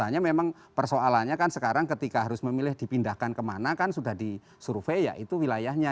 hanya memang persoalannya kan sekarang ketika harus memilih dipindahkan kemana kan sudah disurvey ya itu wilayahnya